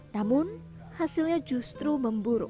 namun hasilnya justru memburuk